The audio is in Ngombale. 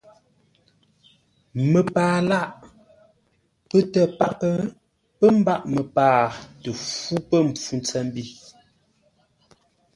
Məpaa lâʼ. Pətə́ paghʼə pə́ mbâʼ məpaa tə fú pə̂ mpfu ntsəmbi.